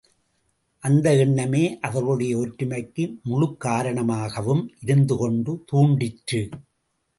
அந்த எண்ணமே அவர்களுடைய ஒற்றுமைக்கு முழுக்காரணமாகவும் இருந்துகொண்டு தூண்டிற்று.